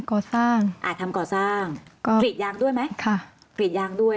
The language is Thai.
ก่อสร้างอ่าทำก่อสร้างก็กรีดยางด้วยไหมค่ะกรีดยางด้วย